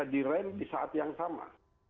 bisa direm di saat yang sama